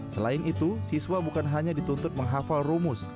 selain itu siswa bukan hanya dituntut menghafal rumus